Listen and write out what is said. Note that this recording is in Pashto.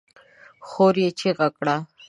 خور يې چيغه کړه!